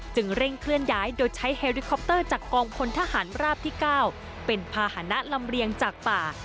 เร่งเคลื่อนย้ายโดยใช้เฮริคอปเตอร์จากกองพลทหารราบที่๙เป็นภาษณะลำเรียงจากป่า